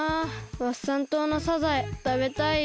ワッサン島のサザエたべたいよ。